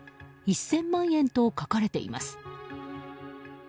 １０００万円と書かれています。